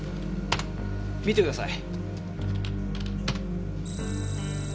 見てください。